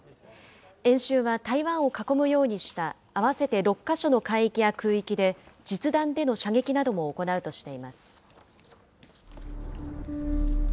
演習は、台湾を囲むようにした合わせて６か所の海域や空域で、実弾での射撃なども行うとしています。